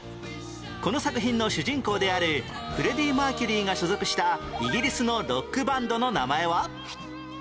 この作品の主人公であるフレディ・マーキュリーが所属したイギリスのロックバンドの名前は？